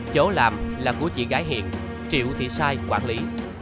chỗ làm là của chị gái hiền triệu thị sai quản lý